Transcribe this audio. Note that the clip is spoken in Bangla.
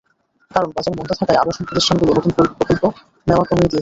কারণ, বাজার মন্দা থাকায় আবাসন প্রতিষ্ঠানগুলো নতুন প্রকল্প নেওয়া কমিয়ে দিয়েছে।